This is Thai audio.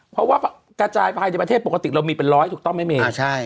เพราะว่ากระจายภายในประเทศปกติเรามีเป็นร้อยถูกต้องไหมเม